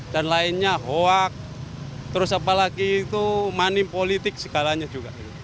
dan lainnya hoaks terus apalagi itu maning politik segalanya juga